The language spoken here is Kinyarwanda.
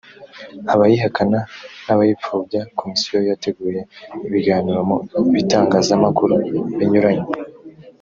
abayihakana n abayipfobya komisiyo yateguye ibiganiro mu bitangazamakuru binyuranye